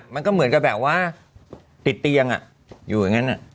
มันก็เหมือนกับแบบว่าติดเตียงอยู่อย่างนั้น